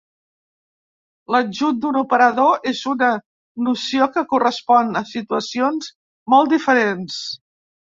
L'adjunt d'un operador és una noció que correspon a situacions molt diferents.